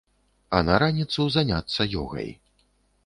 А на раніцу заняцца ёгай.